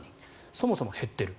そもそも減っている。